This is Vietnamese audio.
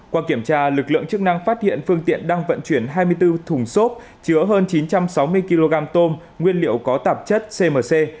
qua kiểm tra lực lượng chức năng phát hiện phương tiện đang vận chuyển hai mươi bốn thùng xốp chứa hơn chín trăm sáu mươi kg tôm nguyên liệu có tạp chất cmc